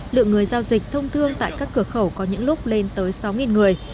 lượng người giao dịch thông thương tại các cửa khẩu có những lúc lên tới sáu người